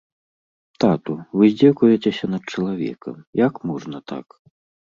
Тату, вы здзекуецеся над чалавекам, як можна так.